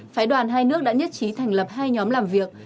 phái đoàn hai nước đã nhất trí thành lập hai nhóm làm việc